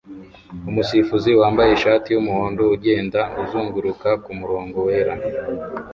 Umusifuzi wambaye ishati yumuhondo ugenda uzunguruka kumurongo wera